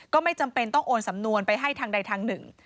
ก็ไม่จำเป็นต้องโอนสำนวนไปให้ทางใดทางหนึ่ง